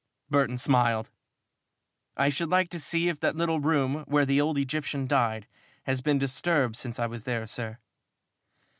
Burton smiled. "I should like to see if that little room where the old Egyptian died has been disturbed since I was there, sir."